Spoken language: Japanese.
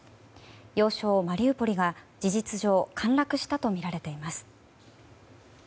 要衝マリウポリが事実上陥落したとみられています。